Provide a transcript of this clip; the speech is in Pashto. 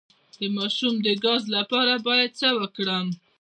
د ماشوم د ګاز لپاره باید څه وکړم؟